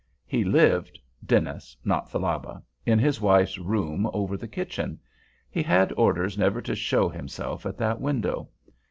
He lived (Dennis, not Thalaba) in his wife's room over the kitchen. He had orders never to show himself at that window.